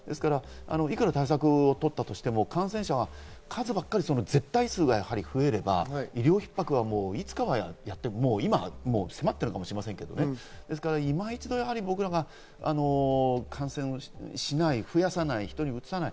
いくら対策を取ったとしても、感染者の数ばっかり、絶対数が増えれば、医療逼迫はもう今迫ってるかもしれませんけど、今一度僕らが感染しない、増やさない、人にうつさない。